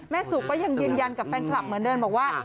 สุกก็ยังยืนยันกับแฟนคลับเหมือนเดิมบอกว่า